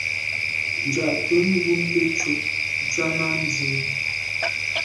Njantùn bùnte ntshob Tshana ndù.